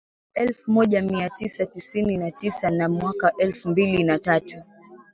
mwaka elfu moja mia tisa tisini na tisa na mwaka elfu mbili na tatu